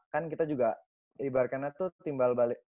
kan kita juga ibaratkannya tuh timbal balik